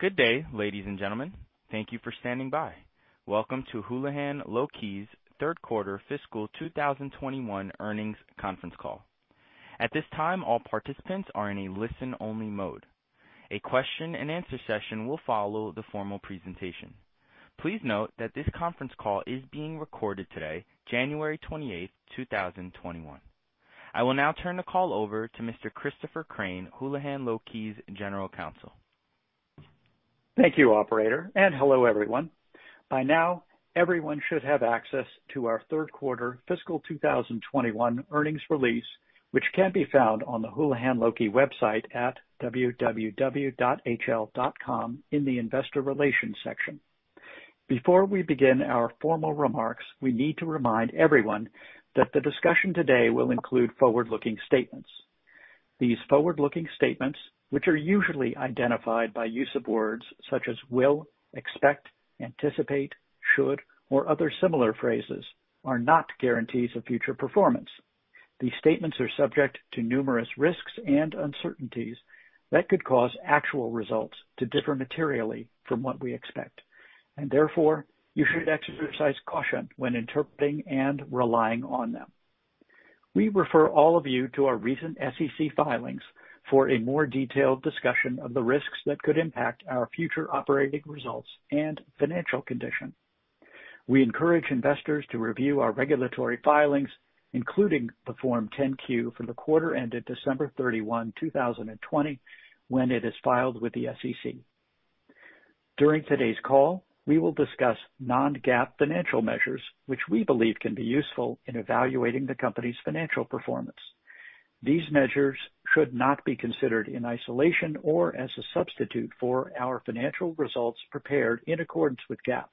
Good day, ladies and gentlemen. Thank you for standing by. Welcome to Houlihan Lokey's third quarter fiscal 2021 earnings conference call. At this time, all participants are in a listen-only mode. A question and answer session will follow the formal presentation. Please note that this conference call is being recorded today, January 28th, 2021. I will now turn the call over to Mr. Christopher Crain, Houlihan Lokey's General Counsel. Thank you, operator, and hello, everyone. By now, everyone should have access to our third quarter fiscal 2021 earnings release, which can be found on the Houlihan Lokey website at www.hl.com in the investor relations section. Before we begin our formal remarks, we need to remind everyone that the discussion today will include forward-looking statements. These forward-looking statements, which are usually identified by use of words such as will, expect, anticipate, should, or other similar phrases, are not guarantees of future performance. These statements are subject to numerous risks and uncertainties that could cause actual results to differ materially from what we expect, and therefore, you should exercise caution when interpreting and relying on them. We refer all of you to our recent SEC filings for a more detailed discussion of the risks that could impact our future operating results and financial condition. We encourage investors to review our regulatory filings, including the Form 10-Q for the quarter ended December 31, 2020, when it is filed with the SEC. During today's call, we will discuss non-GAAP financial measures, which we believe can be useful in evaluating the company's financial performance. These measures should not be considered in isolation or as a substitute for our financial results prepared in accordance with GAAP.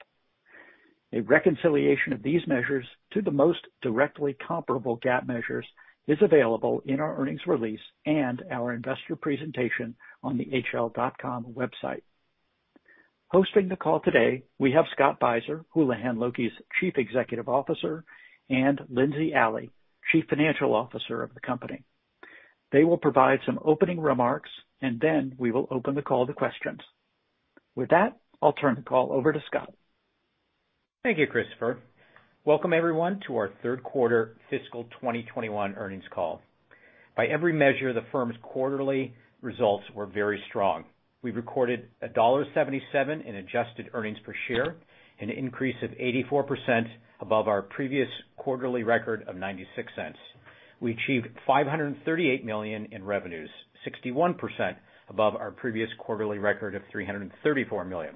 A reconciliation of these measures to the most directly comparable GAAP measures is available in our earnings release and our investor presentation on the hl.com website. Hosting the call today, we have Scott Beiser, Houlihan Lokey's Chief Executive Officer, and Lindsey Alley, Chief Financial Officer of the company. They will provide some opening remarks, and then we will open the call to questions. With that, I'll turn the call over to Scott. Thank you, Christopher. Welcome, everyone, to our third quarter fiscal 2021 earnings call. By every measure, the firm's quarterly results were very strong. We recorded $1.77 in adjusted earnings per share, an increase of 84% above our previous quarterly record of $0.96. We achieved $538 million in revenues, 61% above our previous quarterly record of $334 million.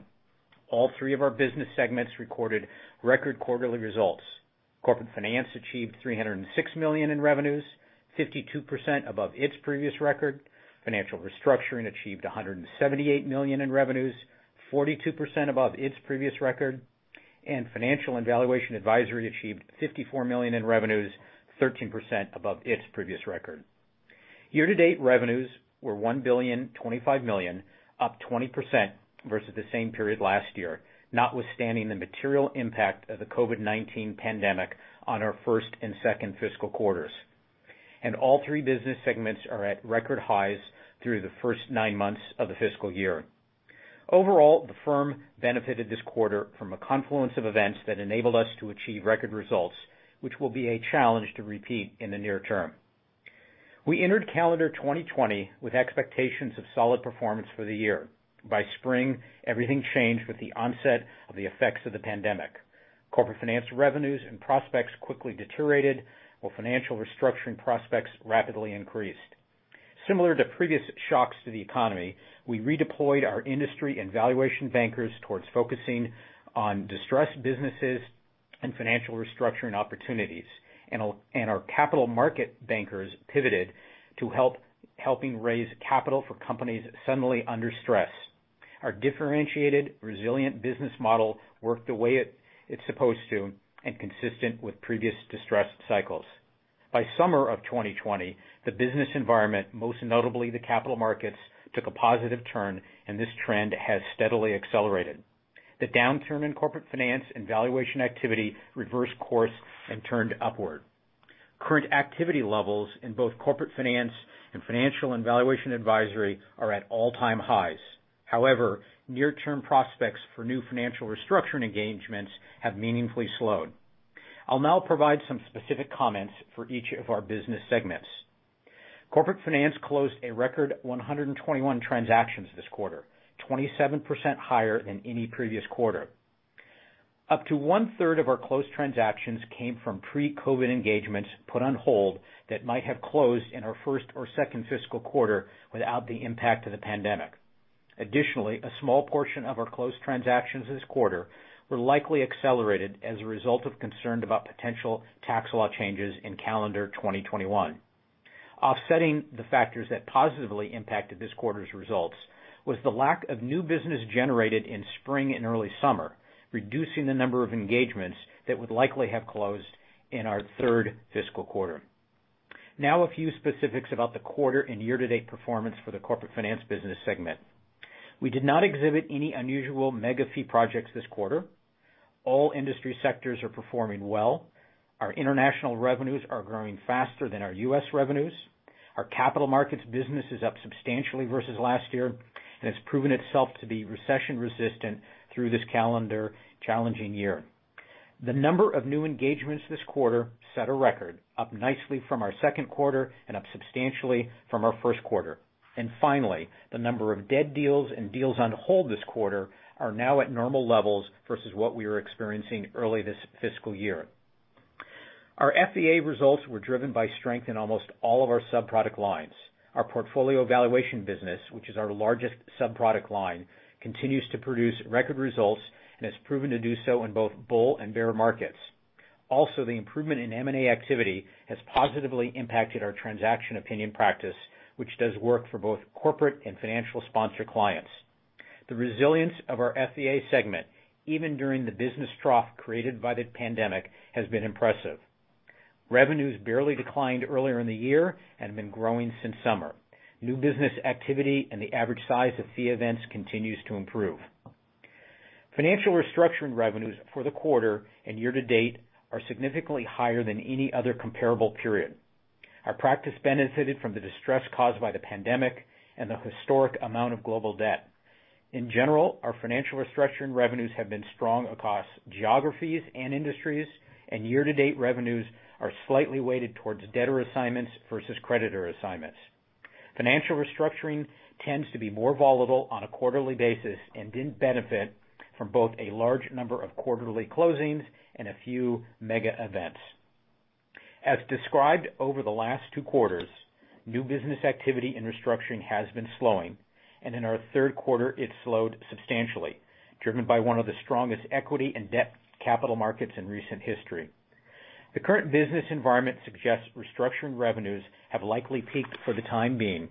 All three of our business segments recorded record quarterly results. Corporate Finance achieved $306 million in revenues, 52% above its previous record. Financial Restructuring achieved $178 million in revenues, 42% above its previous record. Financial and Valuation Advisory achieved $54 million in revenues, 13% above its previous record. Year-to-date revenues were $1,025 million, up 20% versus the same period last year, notwithstanding the material impact of the COVID-19 pandemic on our first and second fiscal quarters. All three business segments are at record highs through the first nine months of the fiscal year. Overall, the firm benefited this quarter from a confluence of events that enabled us to achieve record results, which will be a challenge to repeat in the near term. We entered calendar 2020 with expectations of solid performance for the year. By spring, everything changed with the onset of the effects of the pandemic. Corporate Finance revenues and prospects quickly deteriorated, while Financial Restructuring prospects rapidly increased. Similar to previous shocks to the economy, we redeployed our industry and valuation bankers towards focusing on distressed businesses and Financial Restructuring opportunities. Our capital market bankers pivoted to helping raise capital for companies suddenly under stress. Our differentiated, resilient business model worked the way it's supposed to and consistent with previous distressed cycles. By summer of 2020, the business environment, most notably the capital markets, took a positive turn, and this trend has steadily accelerated. The downturn in Corporate Finance and valuation activity reversed course and turned upward. Current activity levels in both Corporate Finance and Financial and Valuation Advisory are at all-time highs. However, near-term prospects for new Financial Restructuring engagements have meaningfully slowed. I'll now provide some specific comments for each of our business segments. Corporate Finance closed a record 121 transactions this quarter, 27% higher than any previous quarter. Up to one-third of our closed transactions came from pre-COVID-19 engagements put on hold that might have closed in our first or second fiscal quarter without the impact of the pandemic. Additionally, a small portion of our closed transactions this quarter were likely accelerated as a result of concern about potential tax law changes in calendar 2021. Offsetting the factors that positively impacted this quarter's results was the lack of new business generated in spring and early summer, reducing the number of engagements that would likely have closed in our third fiscal quarter. A few specifics about the quarter and year-to-date performance for the Corporate Finance business segment. We did not exhibit any unusual mega-fee projects this quarter. All industry sectors are performing well. Our international revenues are growing faster than our U.S. revenues. Our capital markets business is up substantially versus last year and has proven itself to be recession-resistant through this calendar challenging year. The number of new engagements this quarter set a record, up nicely from our second quarter and up substantially from our first quarter. Finally, the number of dead deals and deals on hold this quarter are now at normal levels versus what we were experiencing early this fiscal year. Our FVA results were driven by strength in almost all of our sub-product lines. Our portfolio valuation business, which is our largest sub-product line, continues to produce record results and has proven to do so in both bull and bear markets. The improvement in M&A activity has positively impacted our transaction opinion practice, which does work for both corporate and financial sponsor clients. The resilience of our FVA segment, even during the business trough created by the pandemic, has been impressive. Revenues barely declined earlier in the year and have been growing since summer. New business activity and the average size of fee events continues to improve. Financial restructuring revenues for the quarter and year to date are significantly higher than any other comparable period. Our practice benefited from the distress caused by the pandemic and the historic amount of global debt. In general, our Financial Restructuring revenues have been strong across geographies and industries, and year-to-date revenues are slightly weighted towards debtor assignments versus creditor assignments. Financial Restructuring tends to be more volatile on a quarterly basis and didn't benefit from both a large number of quarterly closings and a few mega events. As described over the last two quarters, new business activity and restructuring has been slowing. In our third quarter, it slowed substantially, driven by one of the strongest equity and debt capital markets in recent history. The current business environment suggests restructuring revenues have likely peaked for the time being.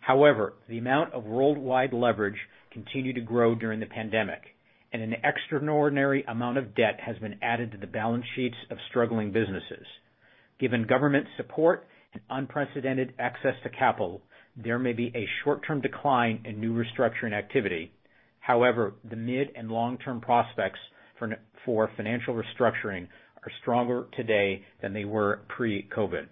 However, the amount of worldwide leverage continued to grow during the pandemic, and an extraordinary amount of debt has been added to the balance sheets of struggling businesses. Given government support and unprecedented access to capital, there may be a short-term decline in new restructuring activity. The mid and long-term prospects for Financial Restructuring are stronger today than they were pre-COVID.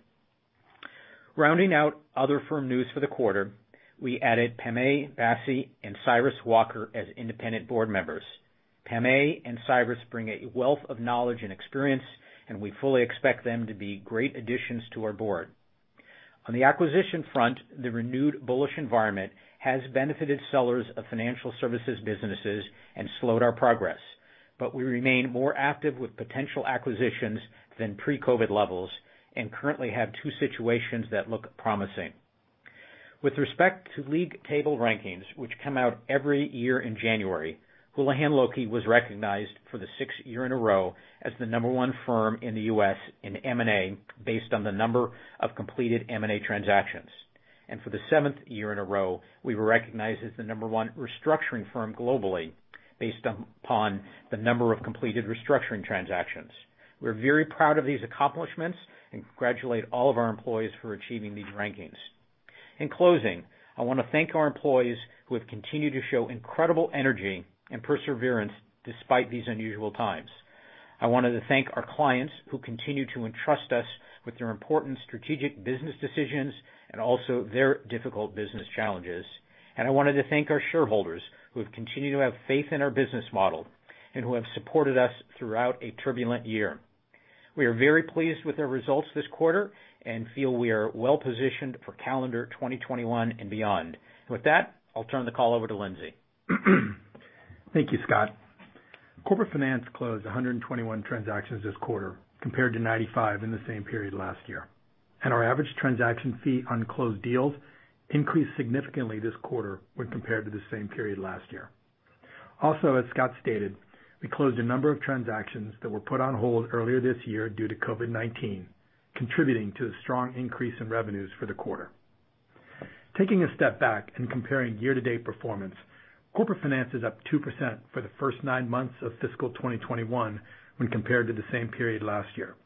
Rounding out other firm news for the quarter, we added Pamay Bassey and Cyrus Walker as independent board members. Pamay and Cyrus bring a wealth of knowledge and experience, we fully expect them to be great additions to our board. On the acquisition front, the renewed bullish environment has benefited sellers of financial services businesses and slowed our progress. We remain more active with potential acquisitions than pre-COVID levels and currently have two situations that look promising. With respect to league table rankings, which come out every year in January, Houlihan Lokey was recognized for the sixth year in a row as the number one firm in the U.S. in M&A based on the number of completed M&A transactions. For the seventh year in a row, we were recognized as the number one restructuring firm globally based upon the number of completed restructuring transactions. We're very proud of these accomplishments and congratulate all of our employees for achieving these rankings. In closing, I want to thank our employees who have continued to show incredible energy and perseverance despite these unusual times. I wanted to thank our clients who continue to entrust us with their important strategic business decisions and also their difficult business challenges. I wanted to thank our shareholders who have continued to have faith in our business model and who have supported us throughout a turbulent year. We are very pleased with the results this quarter and feel we are well-positioned for calendar 2021 and beyond. With that, I'll turn the call over to Lindsey. Thank you, Scott. Corporate Finance closed 121 transactions this quarter, compared to 95 in the same period last year. Our average transaction fee on closed deals increased significantly this quarter when compared to the same period last year. Also, as Scott stated, we closed a number of transactions that were put on hold earlier this year due to COVID-19, contributing to the strong increase in revenues for the quarter. Taking a step back and comparing year-to-date performance, Corporate Finance is up 2% for the first nine months of fiscal 2021 when compared to the same period last year.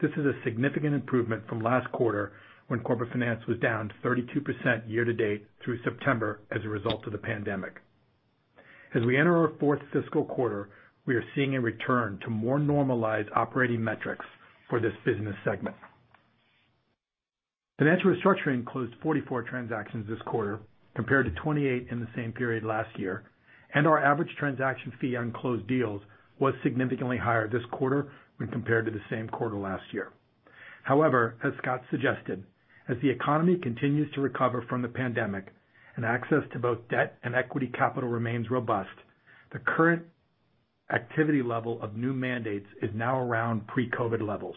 This is a significant improvement from last quarter when Corporate Finance was down 32% year-to-date through September as a result of the pandemic. As we enter our fourth fiscal quarter, we are seeing a return to more normalized operating metrics for this business segment. Financial Restructuring closed 44 transactions this quarter, compared to 28 in the same period last year, and our average transaction fee on closed deals was significantly higher this quarter when compared to the same quarter last year. However, as Scott suggested, as the economy continues to recover from the pandemic, and access to both debt and equity capital remains robust, the current activity level of new mandates is now around pre-COVID levels.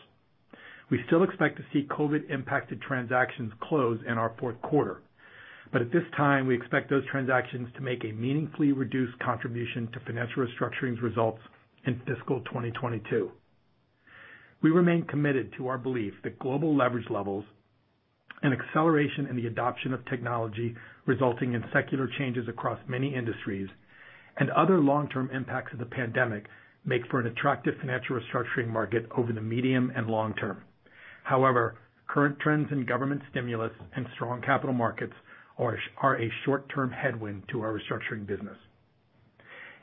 We still expect to see COVID-impacted transactions close in our fourth quarter, but at this time, we expect those transactions to make a meaningfully reduced contribution to Financial Restructuring's results in fiscal 2022. We remain committed to our belief that global leverage levels, an acceleration in the adoption of technology resulting in secular changes across many industries, and other long-term impacts of the pandemic make for an attractive Financial Restructuring market over the medium and long term. However, current trends in government stimulus and strong capital markets are a short-term headwind to our Financial Restructuring business.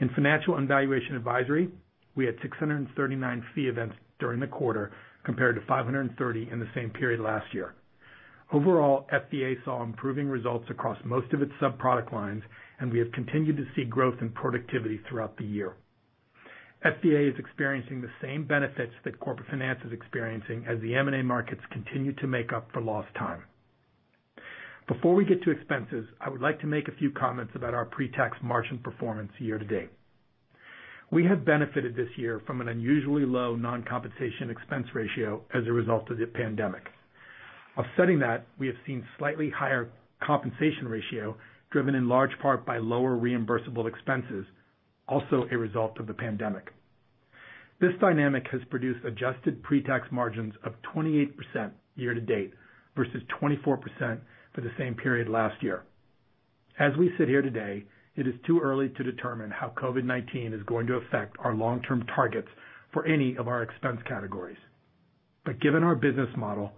In Financial and Valuation Advisory, we had 639 fee events during the quarter, compared to 530 in the same period last year. Overall, FVA saw improving results across most of its sub-product lines, and we have continued to see growth in productivity throughout the year. FVA is experiencing the same benefits that Corporate Finance is experiencing as the M&A markets continue to make up for lost time. Before we get to expenses, I would like to make a few comments about our pre-tax margin performance year to date. We have benefited this year from an unusually low non-compensation expense ratio as a result of the pandemic. Offsetting that, we have seen slightly higher compensation ratio, driven in large part by lower reimbursable expenses, also a result of the pandemic. This dynamic has produced adjusted pre-tax margins of 28% year to date, versus 24% for the same period last year. As we sit here today, it is too early to determine how COVID-19 is going to affect our long-term targets for any of our expense categories. Given our business model,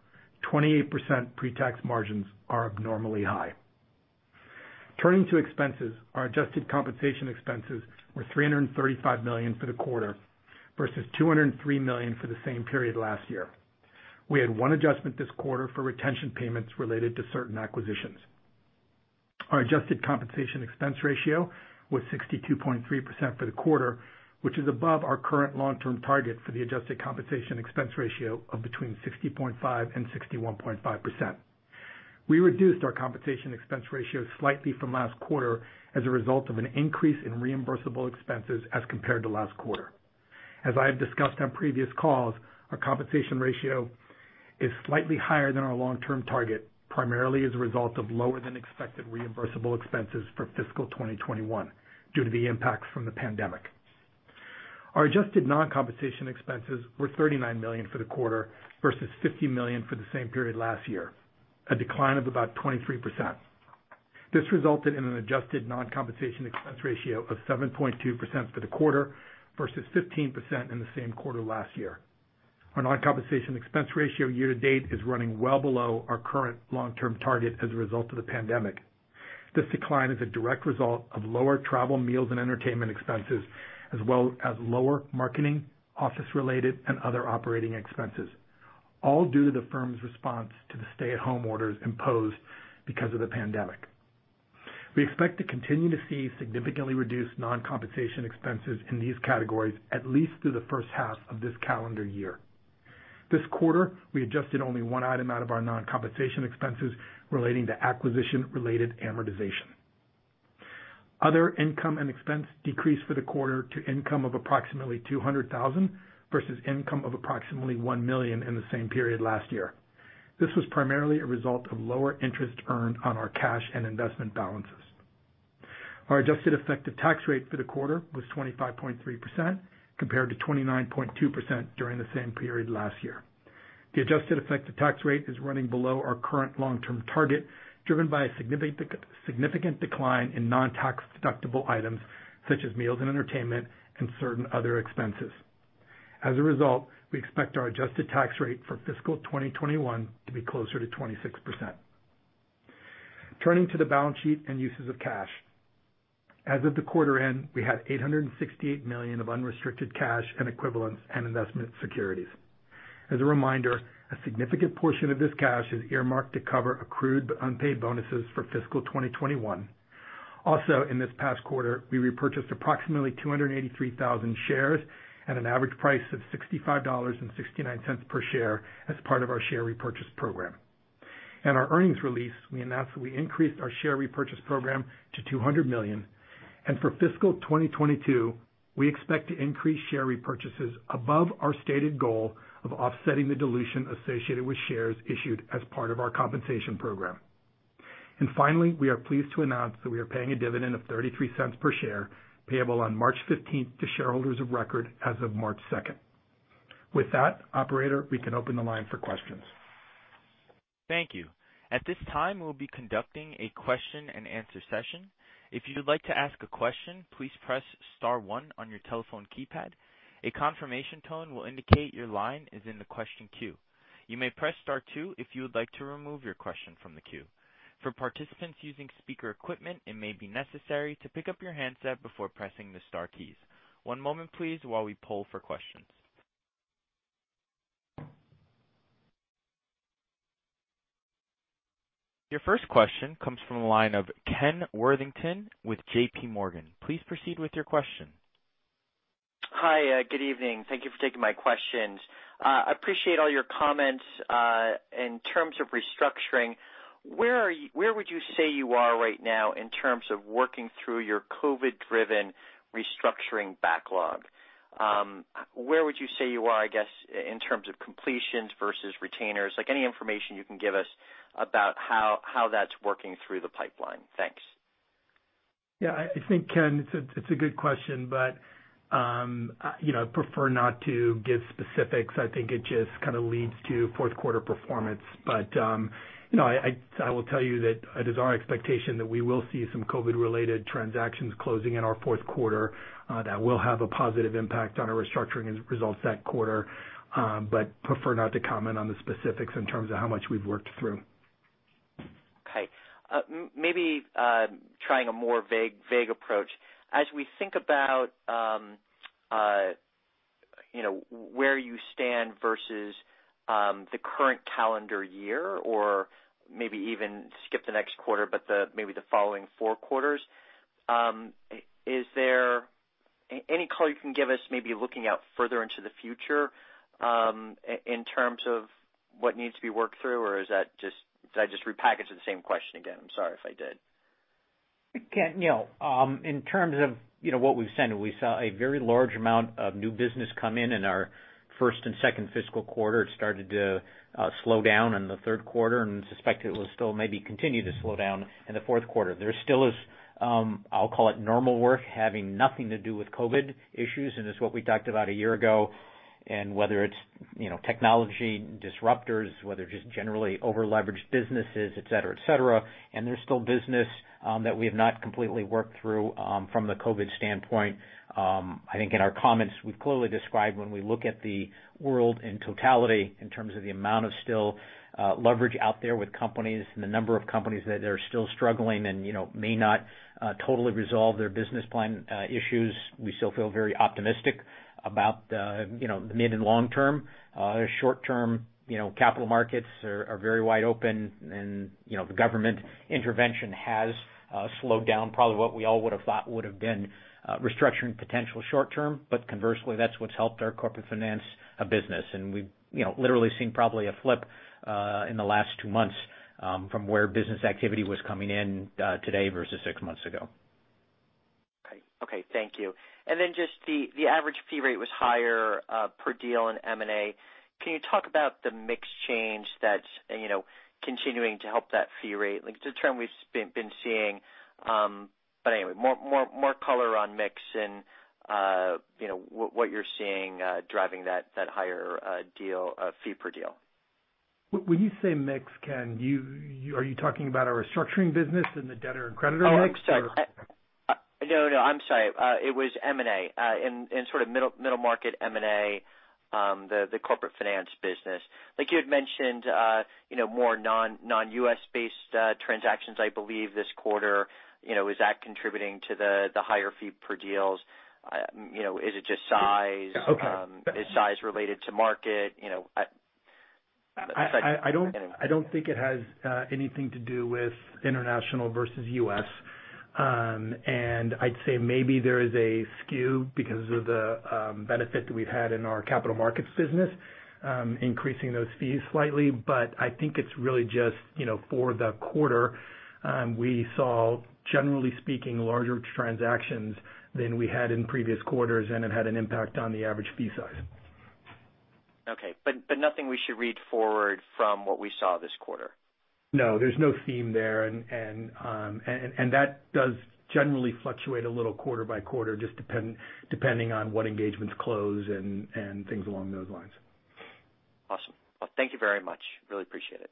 28% pre-tax margins are abnormally high. Turning to expenses, our adjusted compensation expenses were $335 million for the quarter, versus $203 million for the same period last year. We had one adjustment this quarter for retention payments related to certain acquisitions. Our adjusted compensation expense ratio was 62.3% for the quarter, which is above our current long-term target for the adjusted compensation expense ratio of between 60.5% and 61.5%. We reduced our compensation expense ratio slightly from last quarter as a result of an increase in reimbursable expenses as compared to last quarter. As I have discussed on previous calls, our compensation ratio is slightly higher than our long-term target, primarily as a result of lower than expected reimbursable expenses for fiscal 2021, due to the impacts from the pandemic. Our adjusted non-compensation expenses were $39 million for the quarter versus $50 million for the same period last year, a decline of about 23%. This resulted in an adjusted non-compensation expense ratio of 7.2% for the quarter versus 15% in the same quarter last year. Our non-compensation expense ratio year to date is running well below our current long-term target as a result of the pandemic. This decline is a direct result of lower travel, meals, and entertainment expenses, as well as lower marketing, office-related, and other operating expenses, all due to the firm's response to the stay-at-home orders imposed because of the pandemic. We expect to continue to see significantly reduced non-compensation expenses in these categories at least through the first half of this calendar year. This quarter, we adjusted only one item out of our non-compensation expenses relating to acquisition-related amortization. Other income and expense decreased for the quarter to income of approximately $200,000 versus income of approximately $1 million in the same period last year. This was primarily a result of lower interest earned on our cash and investment balances. Our adjusted effective tax rate for the quarter was 25.3% compared to 29.2% during the same period last year. The adjusted effective tax rate is running below our current long-term target, driven by a significant decline in non-tax deductible items such as meals and entertainment and certain other expenses. As a result, we expect our adjusted tax rate for fiscal 2021 to be closer to 26%. Turning to the balance sheet and uses of cash. As of the quarter end, we had $868 million of unrestricted cash and equivalents and investment securities. As a reminder, a significant portion of this cash is earmarked to cover accrued but unpaid bonuses for fiscal 2021. Also, in this past quarter, we repurchased approximately 283,000 shares at an average price of $65.69 per share as part of our share repurchase program. In our earnings release, we announced that we increased our share repurchase program to $200 million. For fiscal 2022, we expect to increase share repurchases above our stated goal of offsetting the dilution associated with shares issued as part of our compensation program. Finally, we are pleased to announce that we are paying a dividend of $0.33 per share, payable on March 15th to shareholders of record as of March 2nd. With that, operator, we can open the line for questions. Thank you. At this time, we'll be conducting a question and answer session. If you would like to ask a question, please press star one on your telephone keypad. A confirmation tone will indicate your line is in the question queue. You may press star two if you would like to remove your question from the queue. For participants using speaker equipment, it may be necessary to pick up your handset before pressing the star keys. One moment, please, while we poll for questions. Your first question comes from the line of Ken Worthington with JPMorgan. Please proceed with your question. Hi. Good evening. Thank you for taking my questions. I appreciate all your comments. In terms of restructuring, where would you say you are right now in terms of working through your COVID-driven restructuring backlog? Where would you say you are, I guess, in terms of completions versus retainers? Any information you can give us about how that's working through the pipeline. Thanks. Yeah, I think, Ken, it's a good question. I'd prefer not to give specifics. I think it just kind of leads to fourth quarter performance. I will tell you that it is our expectation that we will see some COVID-related transactions closing in our fourth quarter that will have a positive impact on our restructuring results that quarter, but prefer not to comment on the specifics in terms of how much we've worked through. Okay. Maybe trying a more vague approach. As we think about where you stand versus the current calendar year, or maybe even skip the next quarter but maybe the following four quarters, is there any color you can give us maybe looking out further into the future in terms of what needs to be worked through, or did I just repackage the same question again? I'm sorry if I did. Ken, in terms of what we've said, we saw a very large amount of new business come in in our first and second fiscal quarter. It started to slow down in the third quarter, and suspect it will still maybe continue to slow down in the fourth quarter. There still is, I'll call it normal work, having nothing to do with COVID issues, and it's what we talked about a year ago, and whether it's technology disruptors, whether just generally over-leveraged businesses, et cetera. There's still business that we have not completely worked through from the COVID standpoint. I think in our comments, we've clearly described when we look at the world in totality in terms of the amount of still leverage out there with companies and the number of companies that are still struggling and may not totally resolve their business plan issues. We still feel very optimistic about the mid and long term. Short term, capital markets are very wide open and the government intervention has slowed down probably what we all would've thought would've been restructuring potential short term. Conversely, that's what's helped our Corporate Finance business. We've literally seen probably a flip in the last two months from where business activity was coming in today versus six months ago. Okay. Thank you. Just the average fee rate was higher per deal in M&A. Can you talk about the mix change that's continuing to help that fee rate? It's a term we've been seeing. More color on mix and what you're seeing driving that higher fee per deal. When you say mix, Ken, are you talking about our restructuring business and the debtor and creditor mix? Oh, I'm sorry. No, I'm sorry. It was M&A and sort of middle market M&A, the Corporate Finance business. I think you had mentioned more non-U.S. based transactions, I believe, this quarter. Is that contributing to the higher fee per deals? Is it just size? Okay. Is size related to market? I don't think it has anything to do with international versus U.S. I'd say maybe there is a skew because of the benefit that we've had in our capital markets business increasing those fees slightly. I think it's really just for the quarter. We saw, generally speaking, larger transactions than we had in previous quarters, and it had an impact on the average fee size. Okay. Nothing we should read forward from what we saw this quarter? No, there's no theme there. That does generally fluctuate a little quarter by quarter, just depending on what engagements close and things along those lines. Awesome. Well, thank you very much. Really appreciate it.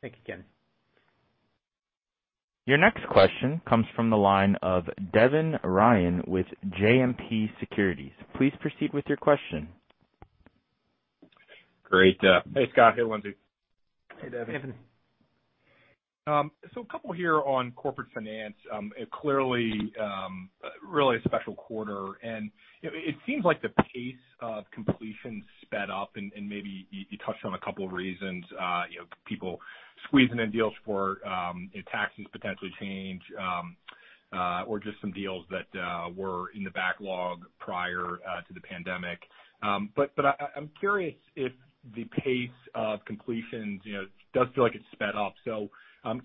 Thank you, Ken. Your next question comes from the line of Devin Ryan with JMP Securities. Please proceed with your question. Great. Hey, Scott. Hey, Lindsey. Hey, Devin. A couple here on Corporate Finance. Clearly, really a special quarter. It seems like the pace of completion sped up, and maybe you touched on a couple of reasons. People squeezing in deals before taxes potentially change, or just some deals that were in the backlog prior to the pandemic. I'm curious if the pace of completions does feel like it's sped up.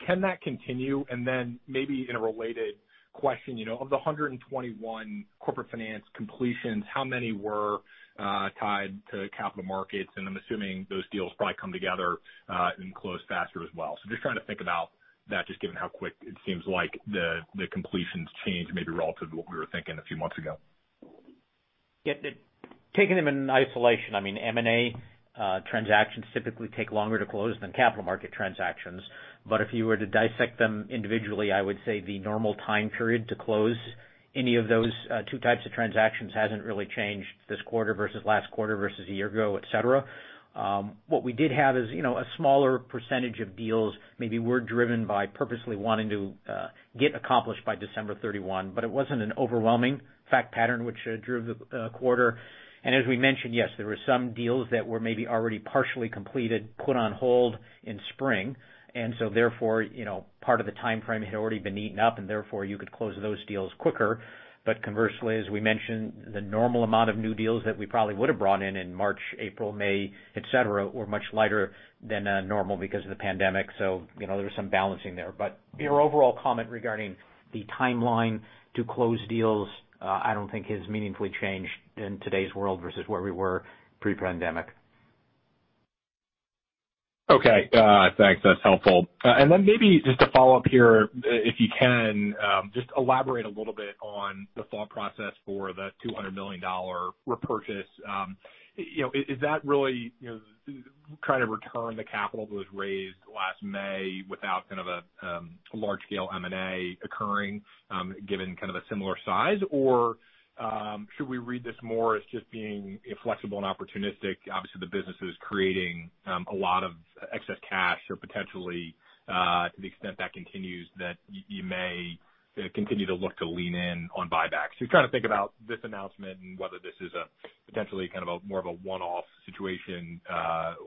Can that continue? Then maybe in a related question, of the 121 Corporate Finance completions, how many were tied to capital markets? I'm assuming those deals probably come together and close faster as well. Just trying to think about that, just given how quick it seems like the completions change, maybe relative to what we were thinking a few months ago. Yeah. Taking them in isolation, I mean, M&A transactions typically take longer to close than capital market transactions. If you were to dissect them individually, I would say the normal time period to close any of those two types of transactions hasn't really changed this quarter versus last quarter versus a year ago, et cetera. What we did have is a smaller percentage of deals maybe were driven by purposely wanting to get accomplished by December 31. It wasn't an overwhelming fact pattern which drove the quarter. As we mentioned, yes, there were some deals that were maybe already partially completed, put on hold in spring. Therefore, part of the timeframe had already been eaten up, and therefore you could close those deals quicker. Conversely, as we mentioned, the normal amount of new deals that we probably would've brought in in March, April, May, et cetera, were much lighter than normal because of the pandemic. There was some balancing there. Your overall comment regarding the timeline to close deals I don't think has meaningfully changed in today's world versus where we were pre-pandemic. Okay. Thanks. That's helpful. Maybe just to follow up here, if you can, just elaborate a little bit on the thought process for the $200 million repurchase. Is that really trying to return the capital that was raised last May without a large-scale M&A occurring, given a similar size, or should we read this more as just being flexible and opportunistic? Obviously, the business is creating a lot of excess cash or potentially to the extent that continues, that you may continue to look to lean in on buybacks. Just trying to think about this announcement and whether this is a potentially more of a one-off situation,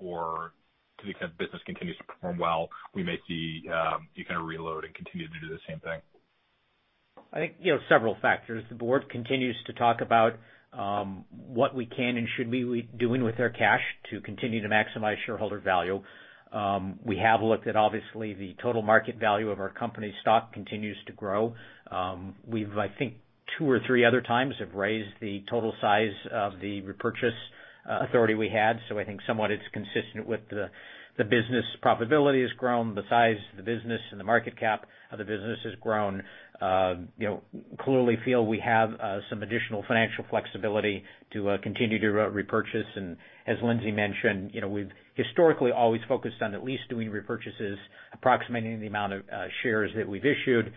or to the extent business continues to perform well, we may see you reload and continue to do the same thing. I think several factors. The board continues to talk about what we can and should be doing with our cash to continue to maximize shareholder value. We have looked at, obviously, the total market value of our company stock continues to grow. We've, I think, two or three other times have raised the total size of the repurchase authority we had. I think somewhat it's consistent with the business profitability has grown. The size of the business and the market cap of the business has grown. Clearly feel we have some additional financial flexibility to continue to repurchase. As Lindsey mentioned, we've historically always focused on at least doing repurchases approximating the amount of shares that we've issued.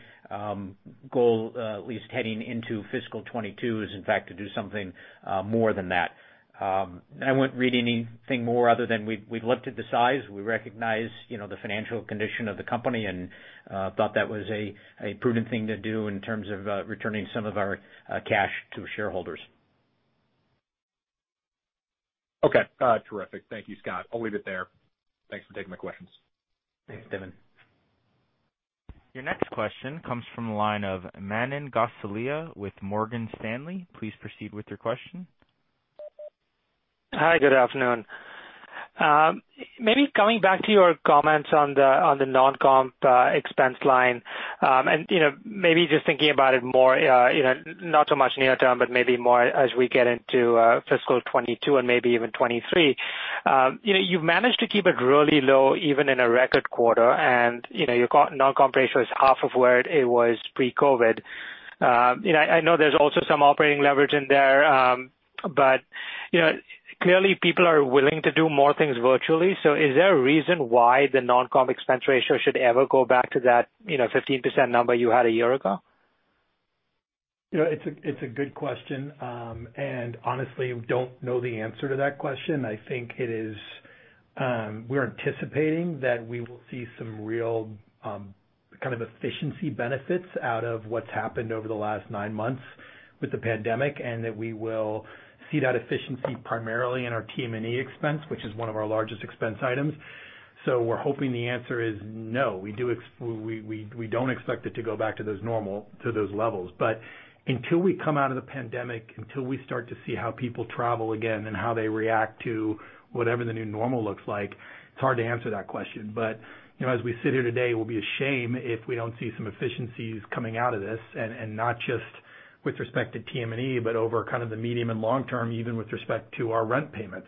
Goal, at least heading into fiscal 2022, is in fact to do something more than that. I wouldn't read anything more other than we've looked at the size. We recognize the financial condition of the company and thought that was a prudent thing to do in terms of returning some of our cash to shareholders. Okay. Terrific. Thank you, Scott. I'll leave it there. Thanks for taking my questions. Thanks, Devin. Your next question comes from the line of Manan Gosalia with Morgan Stanley. Please proceed with your question. Hi, good afternoon. Maybe coming back to your comments on the non-comp expense line. Maybe just thinking about it more, not so much near term, but maybe more as we get into fiscal 2022 and maybe even 2023. You've managed to keep it really low even in a record quarter, and your non-comp ratio is half of where it was pre-COVID-19. I know there's also some operating leverage in there. Clearly people are willing to do more things virtually. Is there a reason why the non-comp expense ratio should ever go back to that 15% number you had a year ago? It's a good question. Honestly, don't know the answer to that question. I think we're anticipating that we will see some real efficiency benefits out of what's happened over the last nine months with the pandemic, and that we will see that efficiency primarily in our T&E expense, which is one of our largest expense items. We're hoping the answer is no. We don't expect it to go back to those levels. Until we come out of the pandemic, until we start to see how people travel again and how they react to whatever the new normal looks like, it's hard to answer that question. As we sit here today, it will be a shame if we don't see some efficiencies coming out of this, and not just with respect to T&E, but over the medium and long term, even with respect to our rent payments.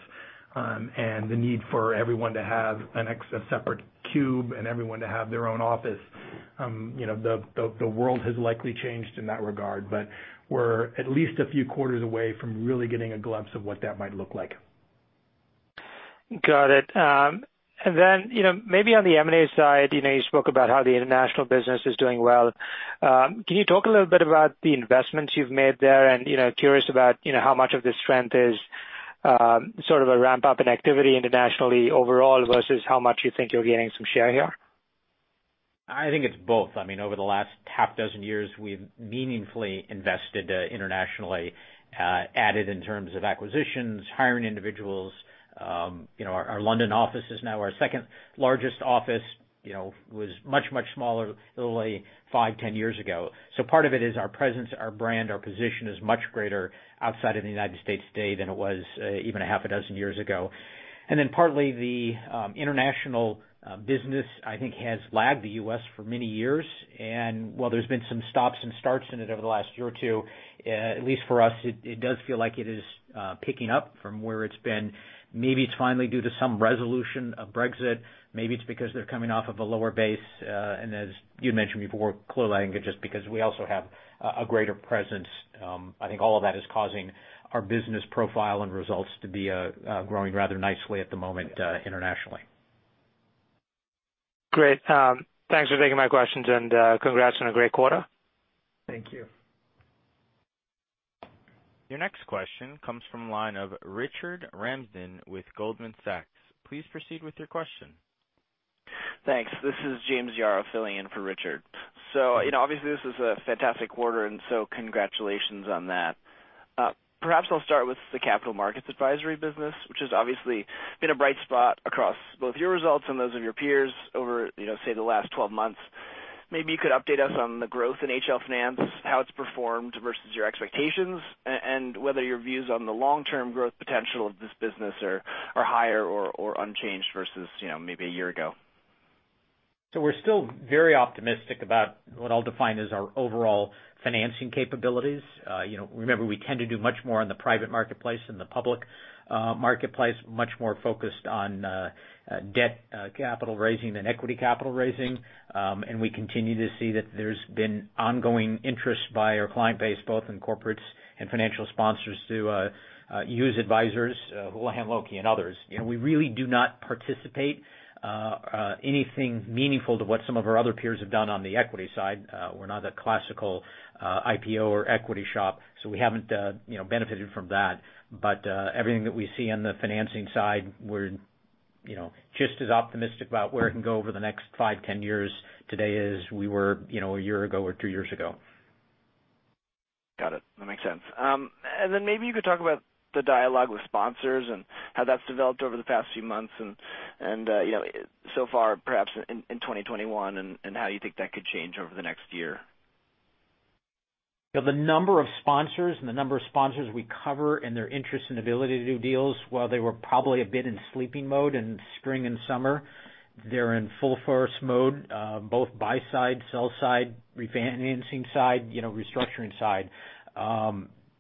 The need for everyone to have a separate cube and everyone to have their own office. The world has likely changed in that regard, but we're at least a few quarters away from really getting a glimpse of what that might look like. Got it. Maybe on the M&A side, you spoke about how the international business is doing well. Can you talk a little bit about the investments you've made there? Curious about how much of this strength is sort of a ramp-up in activity internationally overall versus how much you think you're gaining some share here? I think it's both. Over the last half dozen years, we've meaningfully invested internationally, added in terms of acquisitions, hiring individuals. Our London office is now our second-largest office. Was much, much smaller only five, 10 years ago. Part of it is our presence, our brand, our position is much greater outside of the U.S. today than it was even a half a dozen years ago. Partly the international business, I think, has lagged the U.S. for many years. While there's been some stops and starts in it over the last year or two, at least for us, it does feel like it is picking up from where it's been. Maybe it's finally due to some resolution of Brexit, maybe it's because they're coming off of a lower base. As you'd mentioned before, clearly I think it's just because we also have a greater presence. I think all of that is causing our business profile and results to be growing rather nicely at the moment internationally. Great. Thanks for taking my questions and congrats on a great quarter. Thank you. Your next question comes from the line of Richard Ramsden with Goldman Sachs. Please proceed with your question. Thanks. This is James Yaro filling in for Richard. Obviously this is a fantastic quarter, congratulations on that. Perhaps I'll start with the capital markets advisory business, which has obviously been a bright spot across both your results and those of your peers over say the last 12 months. Maybe you could update us on the growth in HL Finance, how it's performed versus your expectations, and whether your views on the long-term growth potential of this business are higher or unchanged versus maybe a year ago. We're still very optimistic about what I'll define as our overall financing capabilities. Remember, we tend to do much more in the private marketplace than the public marketplace, much more focused on debt capital raising than equity capital raising. We continue to see that there's been ongoing interest by our client base, both in corporates and financial sponsors, to use advisors, Houlihan Lokey and others. We really do not participate anything meaningful to what some of our other peers have done on the equity side. We're not a classical IPO or equity shop, so we haven't benefited from that. Everything that we see on the financing side, we're just as optimistic about where it can go over the next five, 10 years today as we were one year ago or two years ago. Got it. That makes sense. Maybe you could talk about the dialogue with sponsors and how that's developed over the past few months and so far, perhaps in 2021, and how you think that could change over the next year. The number of sponsors and the number of sponsors we cover and their interest and ability to do deals, while they were probably a bit in sleeping mode in spring and summer, they're in full force mode, both buy side, sell side, refinancing side, restructuring side.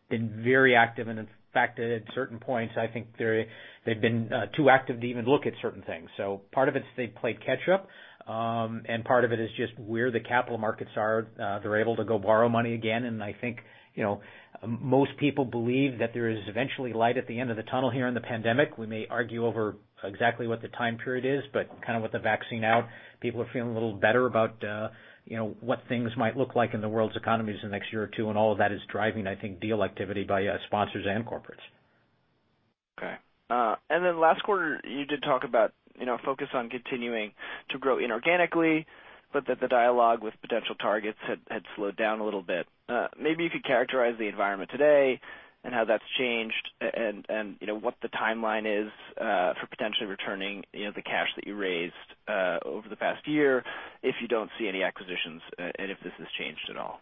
Been very active and in fact, at certain points, I think they've been too active to even look at certain things. Part of it's they've played catch up, and part of it is just where the capital markets are. They're able to go borrow money again, and I think most people believe that there is eventually light at the end of the tunnel here in the pandemic. We may argue over exactly what the time period is, but kind of with the vaccine out, people are feeling a little better about what things might look like in the world's economies in the next year or two, and all of that is driving, I think, deal activity by sponsors and corporates. Okay. Then last quarter, you did talk about focus on continuing to grow inorganically, but that the dialogue with potential targets had slowed down a little bit. Maybe you could characterize the environment today and how that's changed and what the timeline is for potentially returning the cash that you raised over the past year if you don't see any acquisitions and if this has changed at all.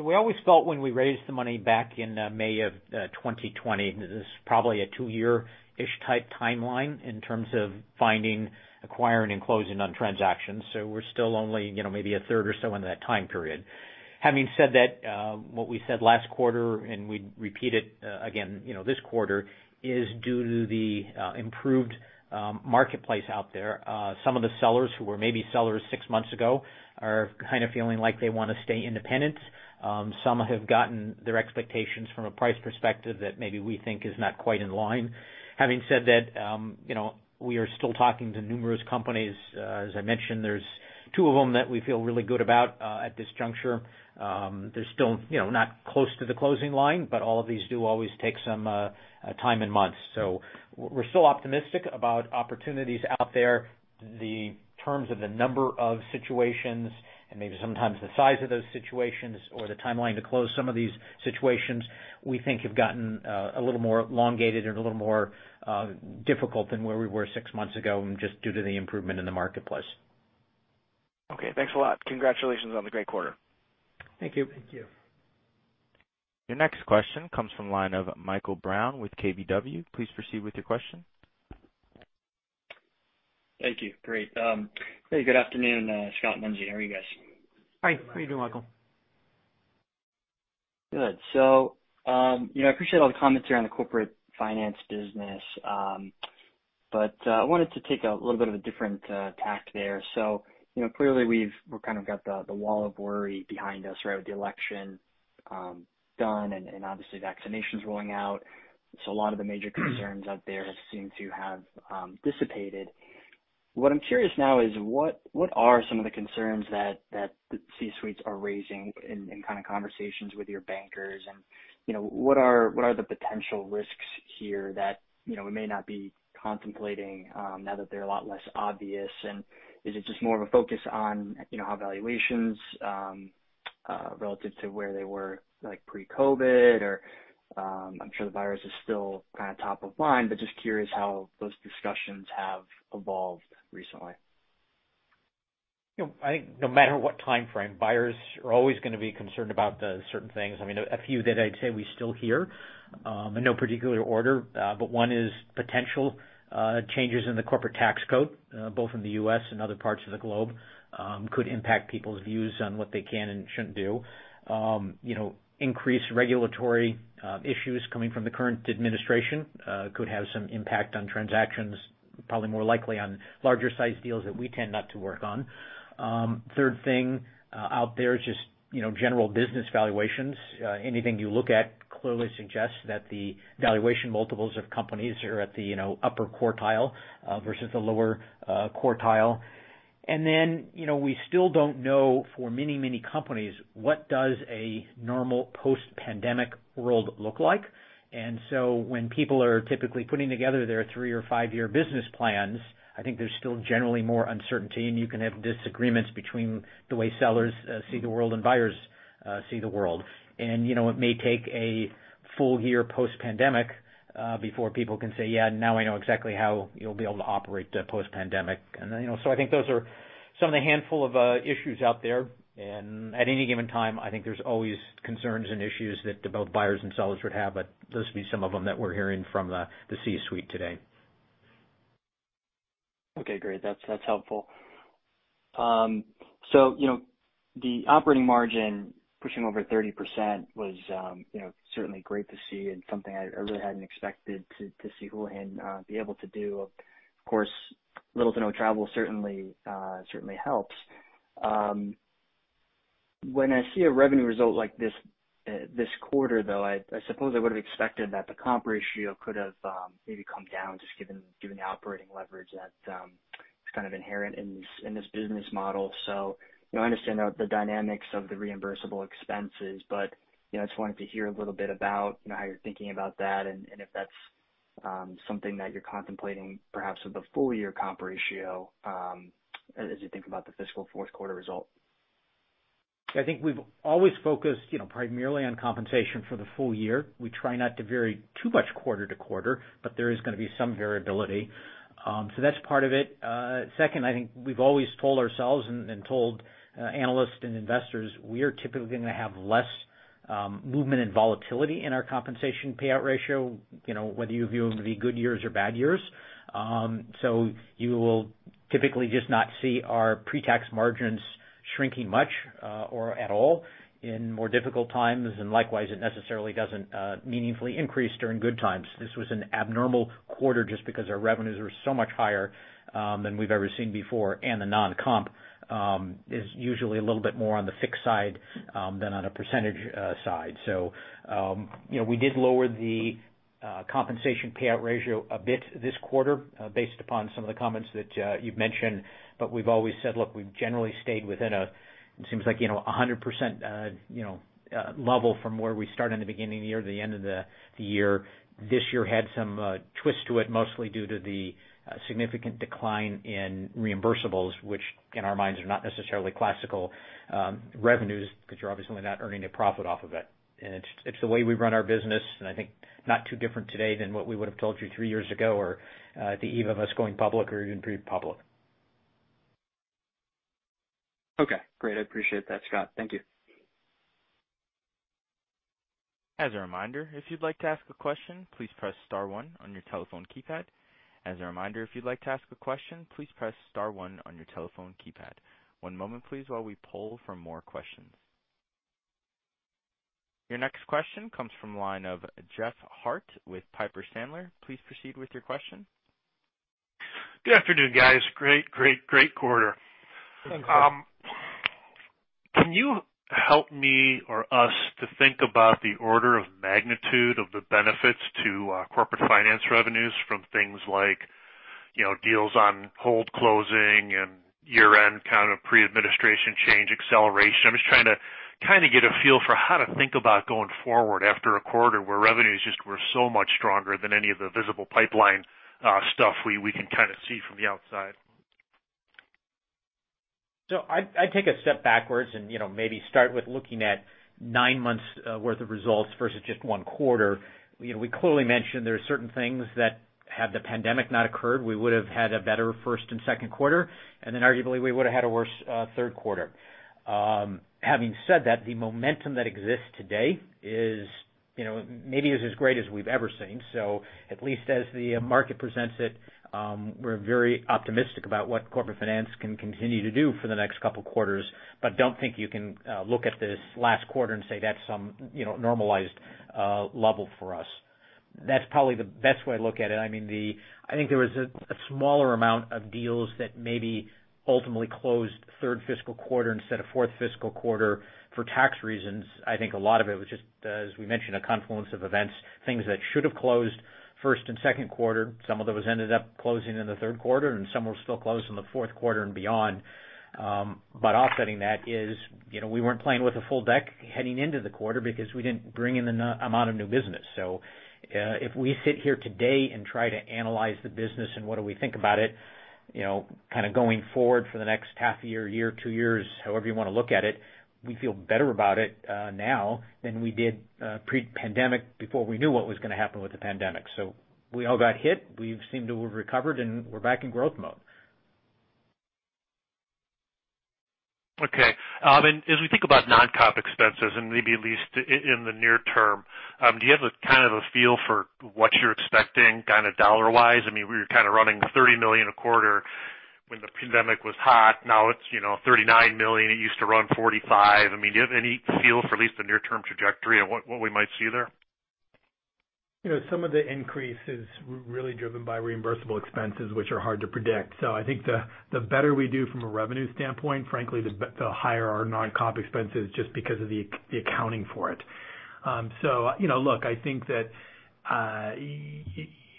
We always felt when we raised the money back in May of 2020, this is probably a two-year-ish type timeline in terms of finding, acquiring, and closing on transactions. We're still only maybe a third or so in that time period. Having said that, what we said last quarter, and we repeat it again this quarter, is due to the improved marketplace out there. Some of the sellers who were maybe sellers six months ago are kind of feeling like they want to stay independent. Some have gotten their expectations from a price perspective that maybe we think is not quite in line. Having said that we are still talking to numerous companies. As I mentioned, there's two of them that we feel really good about at this juncture. They're still not close to the closing line, but all of these do always take some time and months. We're still optimistic about opportunities out there. The terms of the number of situations and maybe sometimes the size of those situations or the timeline to close some of these situations, we think have gotten a little more elongated and a little more difficult than where we were six months ago, and just due to the improvement in the marketplace. Okay, thanks a lot. Congratulations on the great quarter. Thank you. Thank you. Your next question comes from the line of Michael Brown with KBW. Please proceed with your question. Thank you. Great. Hey, good afternoon, Scott, Lindsey. How are you guys? Hi. How you doing, Michael? Good. I appreciate all the comments here on the Corporate Finance business. I wanted to take a little bit of a different tack there. Clearly we've kind of got the wall of worry behind us, right, with the election done and obviously vaccinations rolling out. A lot of the major concerns out there seem to have dissipated. What I'm curious now is what are some of the concerns that the C-suites are raising in conversations with your bankers? What are the potential risks here that we may not be contemplating now that they're a lot less obvious? Is it just more of a focus on how valuations relative to where they were pre-COVID? I'm sure the virus is still kind of top of mind, but just curious how those discussions have evolved recently. I think no matter what timeframe, buyers are always going to be concerned about certain things. I mean, a few that I'd say we still hear, in no particular order, but one is potential changes in the corporate tax code, both in the U.S. and other parts of the globe could impact people's views on what they can and shouldn't do. Increased regulatory issues coming from the current administration could have some impact on transactions, probably more likely on larger size deals that we tend not to work on. Third thing out there is just general business valuations. Anything you look at clearly suggests that the valuation multiples of companies are at the upper quartile versus the lower quartile. Then we still don't know for many, many companies, what does a normal post-pandemic world look like. When people are typically putting together their three or five-year business plans, I think there's still generally more uncertainty, and you can have disagreements between the way sellers see the world and buyers see the world. It may take a full year post-pandemic before people can say, "Yeah, now I know exactly how you'll be able to operate post-pandemic." I think those are some of the handful of issues out there. At any given time, I think there's always concerns and issues that both buyers and sellers would have, but those would be some of them that we're hearing from the C-suite today. Okay, great. That's helpful. The operating margin pushing over 30% was certainly great to see and something I really hadn't expected to see Houlihan be able to do. Of course, little to no travel certainly helps. When I see a revenue result like this quarter, though, I suppose I would've expected that the comp ratio could have maybe come down, just given the operating leverage that's inherent in this business model. I understand the dynamics of the reimbursable expenses, but just wanted to hear a little bit about how you're thinking about that and if that's something that you're contemplating perhaps with the full-year comp ratio as you think about the fiscal fourth quarter result. I think we've always focused primarily on compensation for the full year. We try not to vary too much quarter to quarter, but there is going to be some variability. That's part of it. Second, I think we've always told ourselves and told analysts and investors we are typically going to have less movement and volatility in our compensation payout ratio, whether you view them to be good years or bad years. You will typically just not see our pre-tax margins shrinking much or at all in more difficult times, and likewise, it necessarily doesn't meaningfully increase during good times. This was an abnormal quarter just because our revenues were so much higher than we've ever seen before, and the non-comp is usually a little bit more on the fixed side than on a percentage side. We did lower the compensation payout ratio a bit this quarter based upon some of the comments that you've mentioned. We've always said, look, we've generally stayed within a, it seems like, 100% level from where we start in the beginning of the year to the end of the year. This year had some twist to it, mostly due to the significant decline in reimbursables, which, in our minds, are not necessarily classical revenues because you're obviously not earning a profit off of it. It's the way we run our business, and I think not too different today than what we would've told you three years ago or at the eve of us going public or even pre-public. Okay, great. I appreciate that, Scott. Thank you. Your next question comes from the line of Jeff Harte with Piper Sandler. Please proceed with your question. Good afternoon, guys. Great quarter. Thanks. Can you help me or us to think about the order of magnitude of the benefits to Corporate Finance revenues from things like deals on hold closing and year-end kind of pre-administration change acceleration? I'm just trying to kind of get a feel for how to think about going forward after a quarter where revenues just were so much stronger than any of the visible pipeline stuff we can kind of see from the outside. I'd take a step backwards and maybe start with looking at nine months worth of results versus just one quarter. We clearly mentioned there are certain things that had the pandemic not occurred, we would've had a better first and second quarter, and then arguably we would've had a worse third quarter. Having said that, the momentum that exists today maybe is as great as we've ever seen. At least as the market presents it, we're very optimistic about what Corporate Finance can continue to do for the next couple quarters. Don't think you can look at this last quarter and say that's some normalized level for us. That's probably the best way to look at it. I think there was a smaller amount of deals that maybe ultimately closed third fiscal quarter instead of fourth fiscal quarter for tax reasons. I think a lot of it was just, as we mentioned, a confluence of events, things that should've closed first and second quarter. Some of those ended up closing in the third quarter, and some will still close in the fourth quarter and beyond. Offsetting that is we weren't playing with a full deck heading into the quarter because we didn't bring in the amount of new business. If we sit here today and try to analyze the business and what do we think about it going forward for the next half year, two years, however you want to look at it, we feel better about it now than we did pre-pandemic before we knew what was going to happen with the pandemic. We all got hit. We seem to have recovered, and we're back in growth mode. Okay. As we think about non-comp expenses, and maybe at least in the near term, do you have a kind of a feel for what you're expecting dollar-wise? We were kind of running $30 million a quarter when the pandemic was hot. Now it's $39 million. It used to run $45 million. Do you have any feel for at least the near-term trajectory and what we might see there? Some of the increase is really driven by reimbursable expenses, which are hard to predict. I think the better we do from a revenue standpoint, frankly, the higher our non-comp expense is just because of the accounting for it. Look, I think that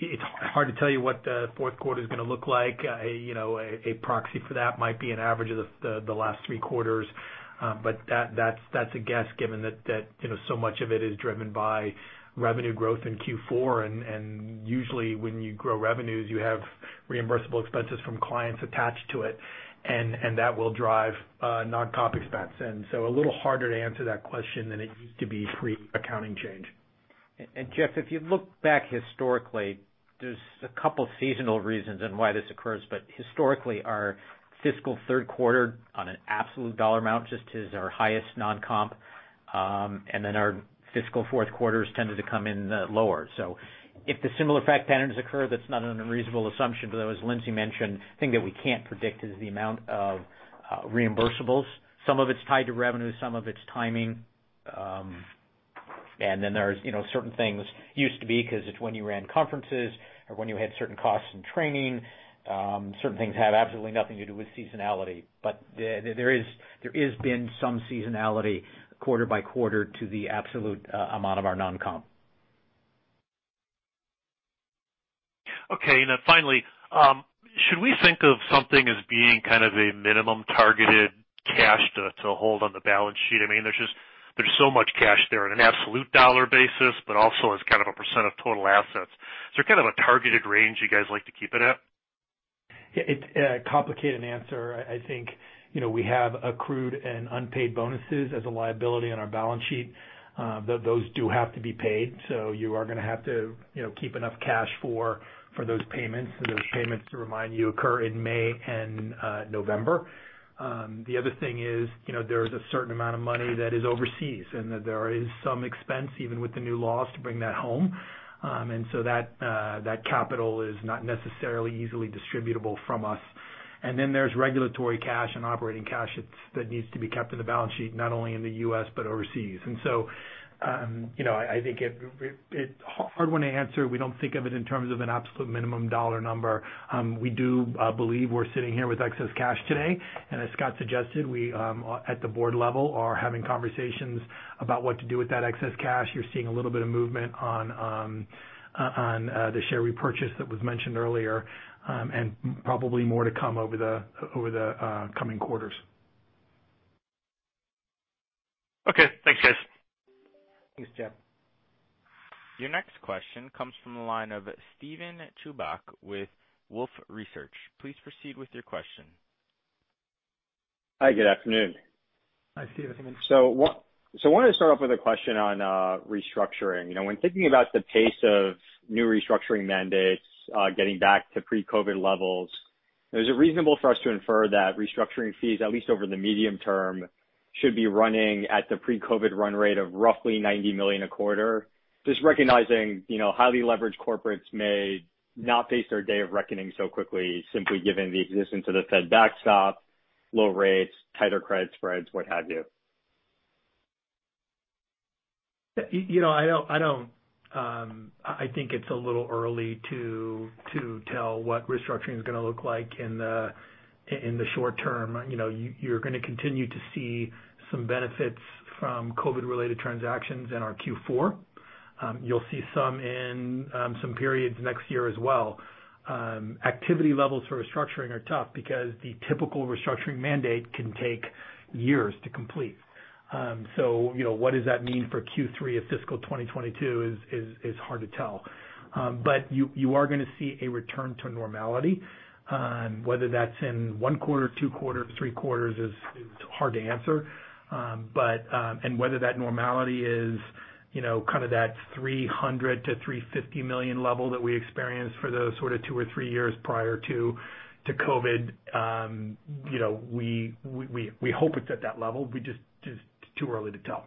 it's hard to tell you what the fourth quarter's going to look like. A proxy for that might be an average of the last three quarters. That's a guess given that so much of it is driven by revenue growth in Q4. Usually when you grow revenues, you have reimbursable expenses from clients attached to it, and that will drive non-comp expense. A little harder to answer that question than it used to be pre-accounting change. Jeff, if you look back historically, there's a couple seasonal reasons on why this occurs. Historically, our fiscal third quarter on an absolute dollar amount just is our highest non-comp. Our fiscal fourth quarters tended to come in lower. If the similar fact patterns occur, that's not an unreasonable assumption, but as Lindsey mentioned, the thing that we can't predict is the amount of reimbursables. Some of it's tied to revenue, some of it's timing. There's certain things used to be, because it's when you ran conferences or when you had certain costs in training. Certain things have absolutely nothing to do with seasonality. There has been some seasonality quarter by quarter to the absolute amount of our non-comp. Okay. Finally, should we think of something as being kind of a minimum targeted cash to hold on the balance sheet? There's so much cash there on an absolute dollar basis, also as kind of a percent of total assets. Is there kind of a targeted range you guys like to keep it at? It's a complicated answer. I think, we have accrued and unpaid bonuses as a liability on our balance sheet. Those do have to be paid. You are going to have to keep enough cash for those payments. Those payments, to remind you, occur in May and November. The other thing is, there's a certain amount of money that is overseas, and that there is some expense, even with the new laws, to bring that home. That capital is not necessarily easily distributable from us. Then there's regulatory cash and operating cash that needs to be kept in the balance sheet, not only in the U.S. but overseas. I think it's hard one to answer. We don't think of it in terms of an absolute minimum dollar number. We do believe we're sitting here with excess cash today. As Scott suggested, we at the board level are having conversations about what to do with that excess cash. You're seeing a little bit of movement on the share repurchase that was mentioned earlier. Probably more to come over the coming quarters. Okay. Thanks, guys. Thanks, Jeff. Your next question comes from the line of Steven Chubak with Wolfe Research. Please proceed with your question. Hi, good afternoon. Hi, Steven. I wanted to start off with a question on restructuring. When thinking about the pace of new restructuring mandates getting back to pre-COVID levels, is it reasonable for us to infer that restructuring fees, at least over the medium term, should be running at the pre-COVID run rate of roughly $90 million a quarter? Just recognizing, highly leveraged corporates may not face their day of reckoning so quickly, simply given the existence of the Fed backstop, low rates, tighter credit spreads, what have you. I think it's a little early to tell what restructuring is going to look like in the short term. You're going to continue to see some benefits from COVID-19 related transactions in our Q4. You'll see some in some periods next year as well. Activity levels for restructuring are tough because the typical restructuring mandate can take years to complete. What does that mean for Q3 of fiscal 2022 is hard to tell. You are going to see a return to normality. Whether that's in one quarter, two quarters, three quarters is hard to answer. Whether that normality is kind of that $300 million-$350 million level that we experienced for those sort of two or three years prior to COVID-19. We hope it's at that level. It's just too early to tell.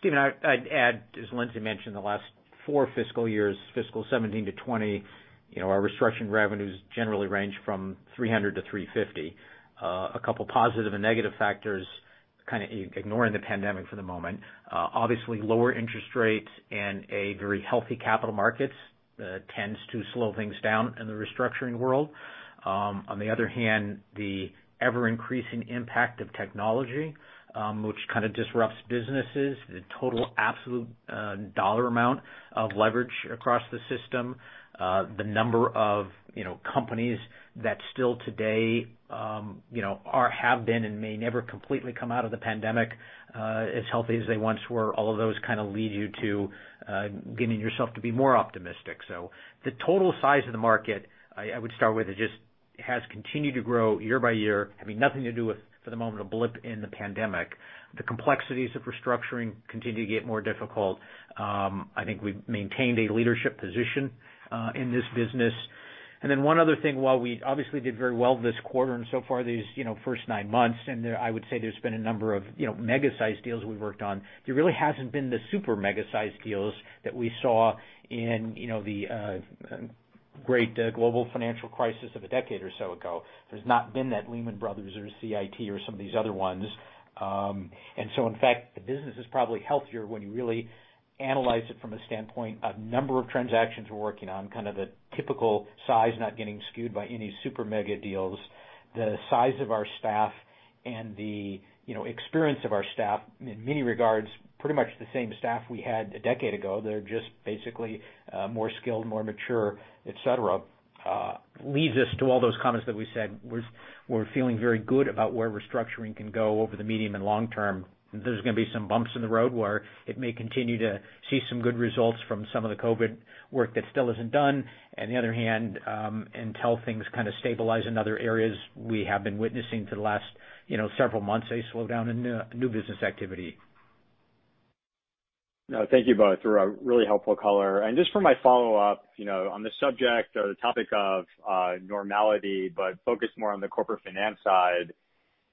Steven, I'd add, as Lindsey mentioned, the last four fiscal years, fiscal 2017-2020, our restructuring revenues generally range from $300 million-$350 million. A couple positive and negative factors, kind of ignoring the pandemic for the moment. Obviously lower interest rates and a very healthy capital markets tends to slow things down in the restructuring world. On the other hand, the ever-increasing impact of technology which kind of disrupts businesses, the total absolute dollar amount of leverage across the system. The number of companies that still today have been and may never completely come out of the pandemic as healthy as they once were. All of those kind of lead you to getting yourself to be more optimistic. The total size of the market, I would start with, it just has continued to grow year by year, having nothing to do with, for the moment, a blip in the pandemic. The complexities of restructuring continue to get more difficult. I think we've maintained a leadership position in this business. One other thing. While we obviously did very well this quarter and so far these first nine months, and I would say there's been a number of mega-sized deals we've worked on. There really hasn't been the super mega-sized deals that we saw in the great global financial crisis of a decade or so ago. There's not been that Lehman Brothers or CIT or some of these other ones. In fact, the business is probably healthier when you really analyze it from a standpoint of number of transactions we're working on, kind of the typical size not getting skewed by any super mega deals. The size of our staff and the experience of our staff in many regards, pretty much the same staff we had a decade ago. They're just basically more skilled, more mature, et cetera, leads us to all those comments that we said. We're feeling very good about where Financial Restructuring can go over the medium and long term. There's going to be some bumps in the road where it may continue to see some good results from some of the COVID-19 work that still isn't done. On the other hand, until things kind of stabilize in other areas, we have been witnessing for the last several months, a slowdown in new business activity. Thank you both for a really helpful color. Just for my follow-up on the subject or the topic of normality, but focused more on the Corporate Finance side.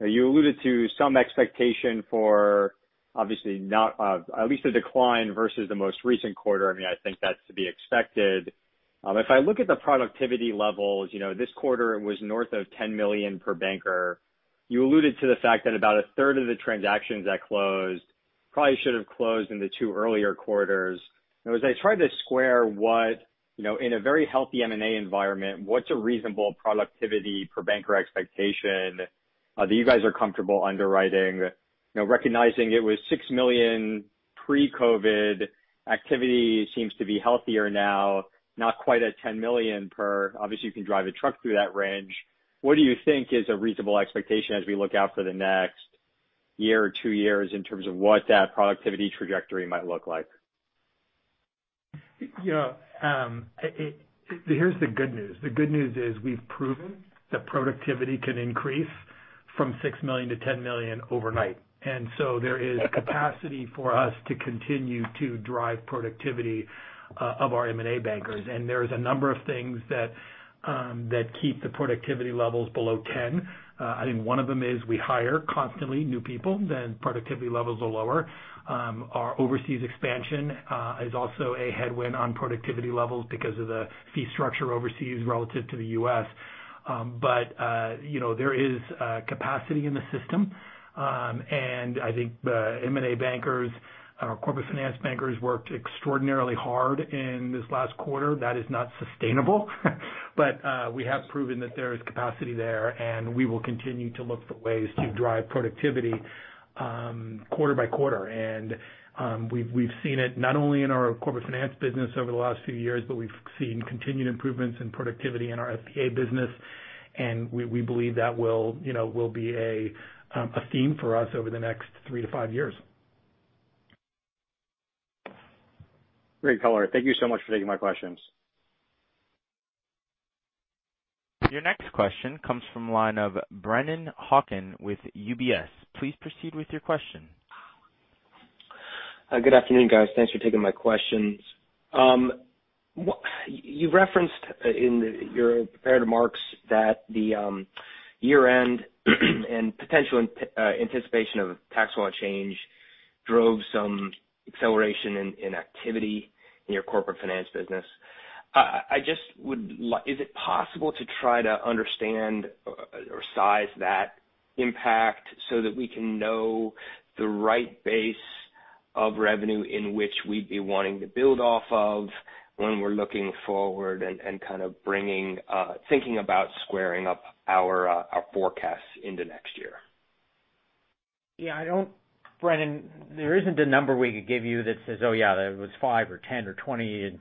You alluded to some expectation for obviously not at least a decline versus the most recent quarter. I think that's to be expected. If I look at the productivity levels, this quarter it was north of $10 million per banker. You alluded to the fact that about a third of the transactions that closed probably should have closed in the two earlier quarters. As I try to square what in a very healthy M&A environment, what's a reasonable productivity per banker expectation that you guys are comfortable underwriting? Recognizing it was $6 million pre-COVID. Activity seems to be healthier now, not quite at $10 million per. Obviously, you can drive a truck through that range. What do you think is a reasonable expectation as we look out for the next year or two years in terms of what that productivity trajectory might look like? Here's the good news. The good news is we've proven that productivity can increase from $6 million-$10 million overnight. So there is capacity for us to continue to drive productivity of our M&A bankers. There's a number of things that keep the productivity levels below 10. I think one of them is we hire constantly new people, then productivity levels are lower. Our overseas expansion is also a headwind on productivity levels because of the fee structure overseas relative to the U.S. There is capacity in the system. I think M&A bankers, our Corporate Finance bankers worked extraordinarily hard in this last quarter. That is not sustainable. We have proven that there is capacity there, and we will continue to look for ways to drive productivity quarter by quarter. We've seen it not only in our Corporate Finance business over the last few years, but we've seen continued improvements in productivity in our FVA business, and we believe that will be a theme for us over the next three to five years. Great color. Thank you so much for taking my questions. Your next question comes from the line of Brennan Hawken with UBS. Please proceed with your question. Good afternoon, guys. Thanks for taking my questions. You referenced in your prepared remarks that the year-end and potential anticipation of a tax law change drove some acceleration in activity in your Corporate Finance business. Is it possible to try to understand or size that impact so that we can know the right base of revenue in which we'd be wanting to build off of when we're looking forward and kind of thinking about squaring up our forecasts into next year? Yeah, Brennan, there isn't a number we could give you that says, oh, yeah, that was five or 10 or 20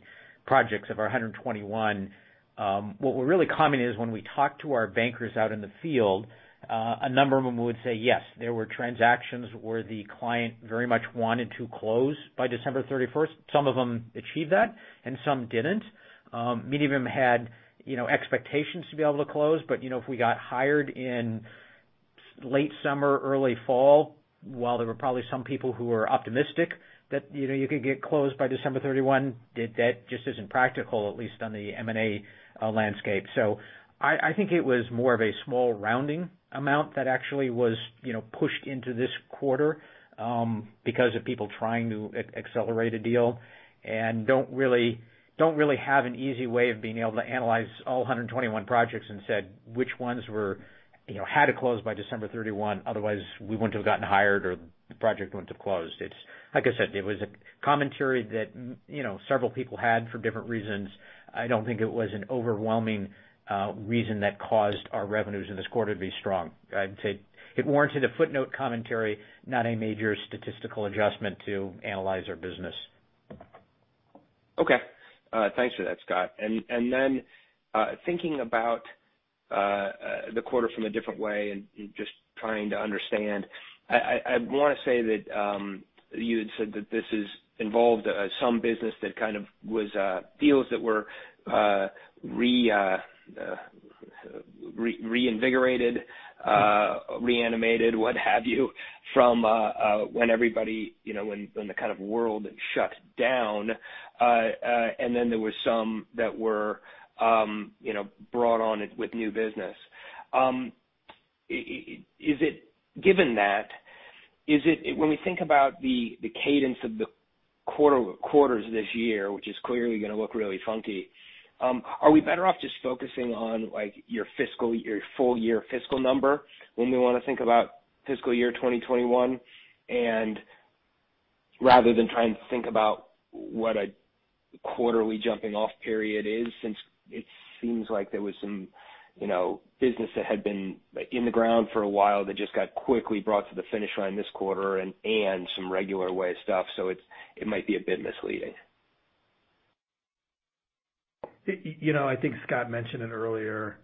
projects of our 121. What we're really commenting is when we talk to our bankers out in the field, a number of them would say, yes, there were transactions where the client very much wanted to close by December 31st. Some of them achieved that and some didn't. Many of them had expectations to be able to close. If we got hired in late summer, early fall, while there were probably some people who were optimistic that you could get closed by December 31, that just isn't practical, at least on the M&A landscape. I think it was more of a small rounding amount that actually was pushed into this quarter because of people trying to accelerate a deal and don't really have an easy way of being able to analyze all 121 projects and said which ones had to close by December 31 otherwise we wouldn't have gotten hired or the project wouldn't have closed. Like I said, it was a commentary that several people had for different reasons. I don't think it was an overwhelming reason that caused our revenues in this quarter to be strong. I'd say it warranted a footnote commentary, not a major statistical adjustment to analyze our business. Okay. Thanks for that, Scott. Thinking about the quarter from a different way and just trying to understand. I want to say that you had said that this has involved some business that kind of was deals that were reinvigorated, reanimated, what have you, from when the kind of world shut down. There were some that were brought on with new business. Given that, when we think about the cadence of the quarters this year, which is clearly going to look really funky, are we better off just focusing on your full year fiscal number when we want to think about fiscal year 2021 rather than trying to think about what a quarterly jumping-off period is since it seems like there was some business that had been in the ground for a while that just got quickly brought to the finish line this quarter and some regular way stuff. It might be a bit misleading. I think Scott mentioned it earlier,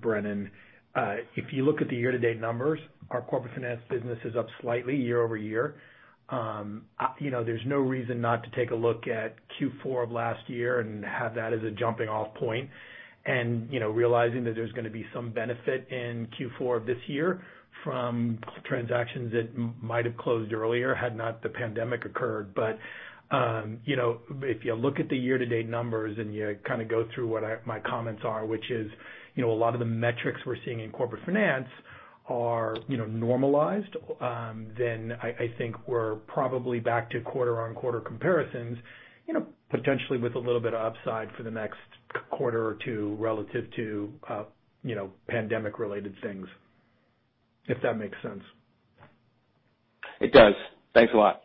Brennan. If you look at the year-to-date numbers, our Corporate Finance business is up slightly year over year. There's no reason not to take a look at Q4 of last year and have that as a jumping-off point and realizing that there's going to be some benefit in Q4 of this year from transactions that might have closed earlier had not the pandemic occurred. If you look at the year-to-date numbers and you kind of go through what my comments are, which is a lot of the metrics we're seeing in Corporate Finance are normalized. I think we're probably back to quarter-on-quarter comparisons potentially with a little bit of upside for the next quarter or two relative to pandemic-related things. If that makes sense. It does. Thanks a lot.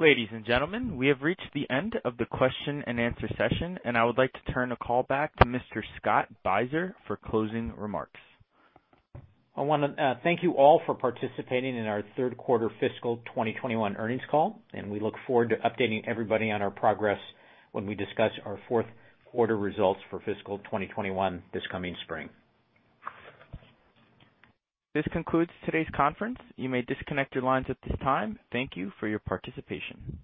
Ladies and gentlemen, we have reached the end of the question and answer session. I would like to turn the call back to Mr. Scott Beiser for closing remarks. I want to thank you all for participating in our third quarter fiscal 2021 earnings call, and we look forward to updating everybody on our progress when we discuss our fourth quarter results for fiscal 2021 this coming spring. This concludes today's conference. You may disconnect your lines at this time. Thank you for your participation.